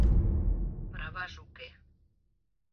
Праваже уке.